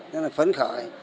nên là khấn khởi